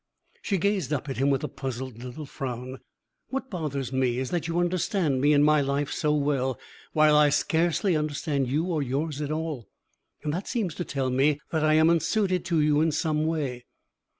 She gazed up at him with a puzzled little frown. "What bothers me is that you understand me and my life so well, while I scarcely understand you or yours at all. That seems to tell me that I am unsuited to you in some way.